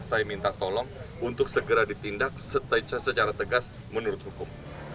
saya minta tolong untuk segera ditindak secara tegas menurut hukum